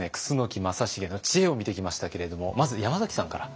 楠木正成の知恵を見てきましたけれどもまず山崎さんから。